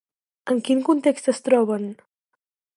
En quin context es troben?